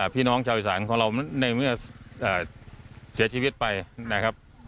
พี่น้องชาวอีสานของเราในเมื่อเสียชีวิตไปนะครับ